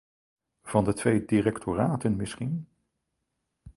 Van de twee directoraten misschien?